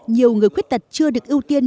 nhiều người khuyết tật chưa được ưu tiên